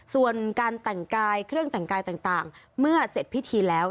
ส่วนการแต่งกายเครื่องแต่งกายต่างเมื่อเสร็จพิธีแล้ว